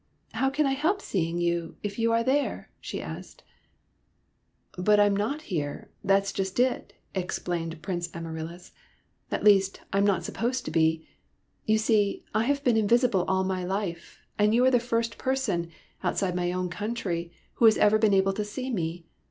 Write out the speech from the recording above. '' How can I help seeing you, if you are there ?" she asked. " But I 'm not here, that 's just it," explained Prince Amaryllis ;'' at least, I am not supposed to be. You see, I have been invisible all my life, and you are the first person, outside my own country, who has ever been able to see me.